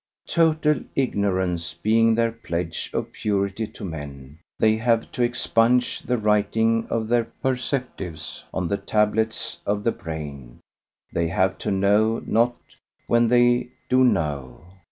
Total ignorance being their pledge of purity to men, they have to expunge the writing of their perceptives on the tablets of the brain: they have to know not when they do know.